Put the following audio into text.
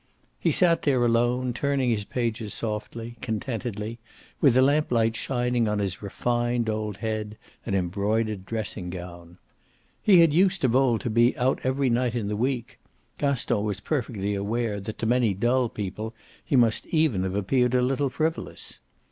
He sat there alone, turning his pages softly, contentedly, with the lamplight shining on his refined old head and embroidered dressing gown. He had used of old to be out every night in the week Gaston was perfectly aware that to many dull people he must even have appeared a little frivolous.